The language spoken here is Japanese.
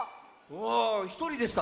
あひとりでした。